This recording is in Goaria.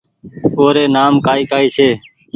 اوري نآم ڪآئي ڪآئي ڇي